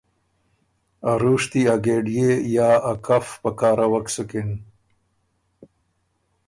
ا رُوشتي، ا ګېډيې یا ا کف پکاروَک سُکِن۔